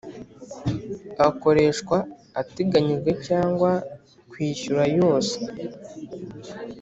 akoreshwa ateganyijwe cyangwa kwishyura yose